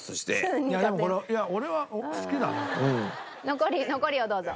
残り残りをどうぞ。